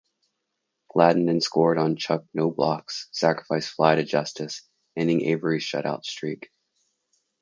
Gladden then scored on Chuck Knoblauch's sacrifice fly to Justice, ending Avery's shutout streak.